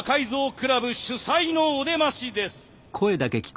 倶楽部主宰のお出ましです。